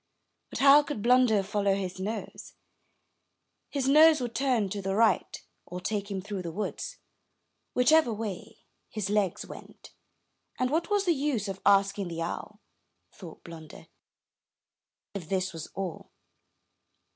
But how could Blunder follow his nose? His nose would turn to the right, or take him through the woods, whichever way his legs went, and "what was the use of asking the owl," thought Blunder, "if this was all?"